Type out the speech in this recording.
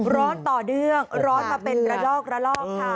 ร้อนต่อเดื้องร้อนมาเป็นระลอกค่ะ